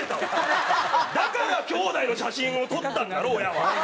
だから兄弟の写真を撮ったんだろ親は。